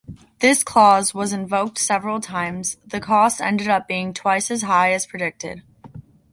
This clause was invoked several times, the costs ended up being twice as high as predicted.